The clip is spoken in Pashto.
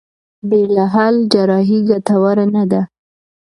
بې له حل جراحي ګټوره نه ده.